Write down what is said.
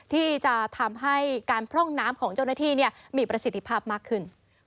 ที่จะทำให้การพร่องน้ำของเจ้าหน้าที่มีประสิทธิภาพมากขึ้น